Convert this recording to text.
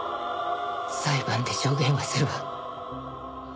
裁判で証言はするわ。